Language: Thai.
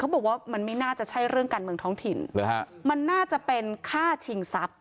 บอกว่ามันไม่น่าจะใช่เรื่องการเมืองท้องถิ่นหรือฮะมันน่าจะเป็นฆ่าชิงทรัพย